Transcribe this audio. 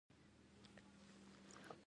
موږ ولې فابریکې غواړو؟